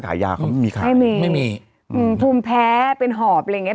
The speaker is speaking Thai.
ขายยาเขาไม่มีขายไม่มีไม่มีอืมภูมิแพ้เป็นหอบอะไรอย่างเงี้